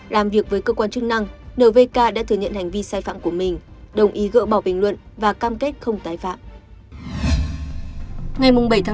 làm việc với cơ quan chức năng nvk đã thừa nhận hành vi sai phạm của mình đồng ý gỡ bỏ bình luận và cam kết không tái phạm